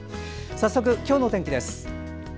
早速、今日の天気です。